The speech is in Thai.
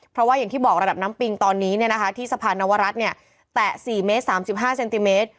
เพราะว่าอย่างที่บอกระดับน้ำปิงตอนนี้ที่สะพานนวรัฐแตะ๔เมตร๓๕เซนติเมตร